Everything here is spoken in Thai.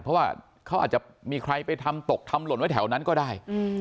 เพราะว่าเขาอาจจะมีใครไปทำตกทำหล่นไว้แถวนั้นก็ได้